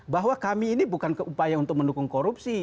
bahwa kami ini bukan keupaya untuk mendukung korupsi